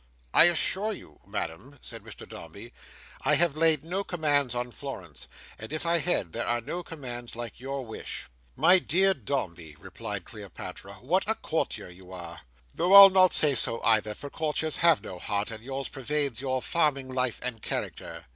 "I assure you, madam!" said Mr Dombey, "I have laid no commands on Florence; and if I had, there are no commands like your wish." "My dear Dombey," replied Cleopatra, what a courtier you are! Though I'll not say so, either; for courtiers have no heart, and yours pervades your farming life and character.